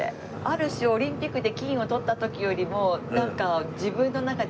ある種オリンピックで金を取った時よりもなんか。